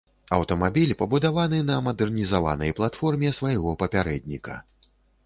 Аўтамабіль пабудаваны на мадэрнізаванай платформе свайго папярэдніка.